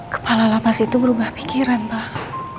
kepala lapas itu berubah pikiran pak